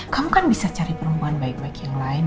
kamu kan bisa cari perempuan baik baik yang lain